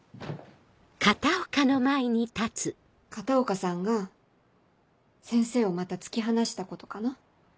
片岡さんが先生をまた突き放したことかな。